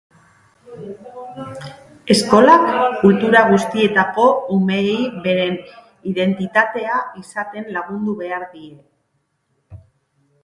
Eskolak kultura guztietako umeei beren identitatea izaten lagundu behar die.